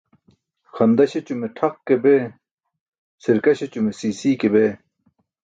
Xanda śećume tʰaq ke bee, sirka śeśume sii sii ke bee.